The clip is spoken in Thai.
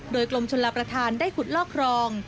โดยกรมชลประธานได้ขุดลอกครอง